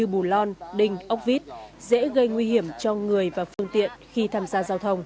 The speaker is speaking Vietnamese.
với trường quay ạ